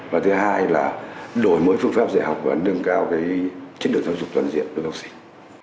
và thứ hai là đổi mối phương pháp giải học và nâng cao chất lượng giáo dục toàn diện của các học sinh